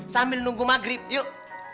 sambil nunggu maghrib yuk